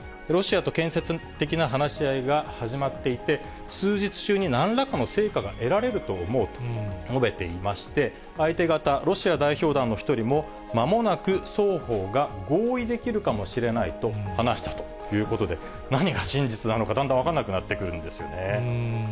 ロシアと建設的な話し合いが始まっていて、数日中になんらかの成果が得られると思うと述べていまして、相手方、ロシア代表団の１人も、まもなく双方が合意できるかもしれないと話したということで、何が真実なのか、だんだん分かんなくなってくるんですよね。